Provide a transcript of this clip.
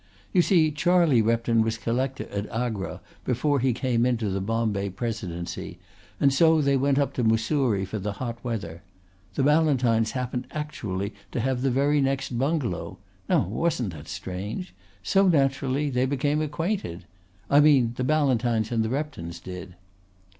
You see Charlie Repton was Collector at Agra before he came into the Bombay Presidency, and so they went up to Mussoorie for the hot weather. The Ballantynes happened actually to have the very next bungalow now wasn't that strange? so naturally they became acquainted. I mean the Ballantynes and the Reptons did..."